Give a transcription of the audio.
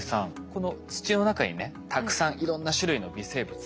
この土の中にねたくさんいろんな種類の微生物がいます。